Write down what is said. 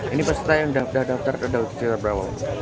ini peserta yang sudah daftar berapa